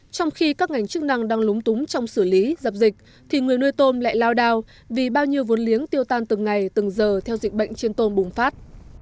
trong khi các ngành chức năng đang lúng túng trong xử lý dập dịch thì người nuôi tôm lại lao đao vì bao nhiêu vốn liếng tiêu tan từng ngày từng giờ theo dịch bệnh trên tôm bùng phát